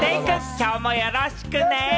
きょうもよろしくね。